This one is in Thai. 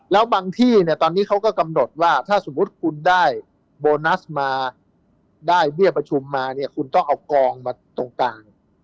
แล้วบางที่เนี่ยตอนนี้เขาก็กำหนดว่าถ้าสมมุติคุณได้โบนัสมาได้เบี้ยประชุมมาเนี่ยคุณต้องเอากองมาตรงกลาง